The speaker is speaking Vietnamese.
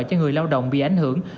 cho người lao động bị ảnh hưởng